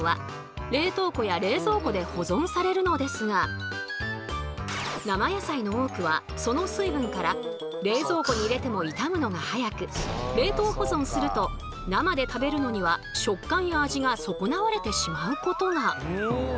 年に一度生野菜の多くはその水分から冷蔵庫に入れてもいたむのが早く冷凍保存すると生で食べるのには食感や味が損なわれてしまうことが。